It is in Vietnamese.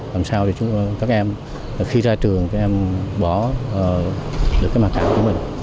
làm sao để các em khi ra trường các em bỏ được cái mặt trạng của mình